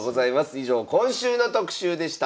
以上今週の特集でした。